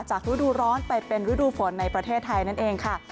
ฤดูร้อนไปเป็นฤดูฝนในประเทศไทยนั่นเองค่ะ